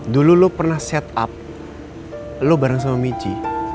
dulu lo pernah set up lo bareng sama michi